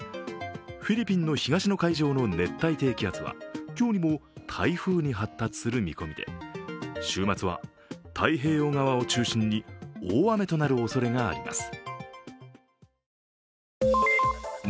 フィリピンの東の海上の熱帯低気圧は今日にも台風に発達する見込みで週末は、太平洋側を中心に大雨となるおそれがあります。